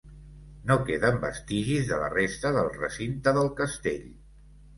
No queden vestigis de la resta del recinte del castell.